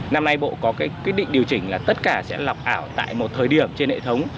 năm nay bộ có cái quyết định điều chỉnh là tất cả sẽ lọc ảo tại một thời điểm trên hệ thống